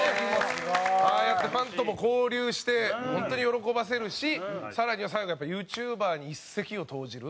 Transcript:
ああやってファンとも交流して本当に喜ばせるし更には最後やっぱＹｏｕＴｕｂｅｒに一石を投じる。